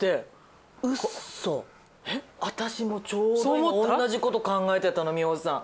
私もちょうど今同じ事考えてたの美穂さん。